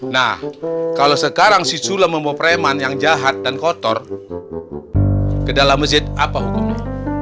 nah kalau sekarang sisula membawa preman yang jahat dan kotor ke dalam masjid apa hukumnya